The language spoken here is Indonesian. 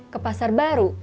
ke pasar baru